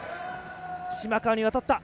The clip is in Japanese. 島川に渡った。